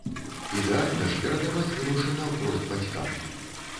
Ідэальна ж перадаваць грошы наўпрост бацькам.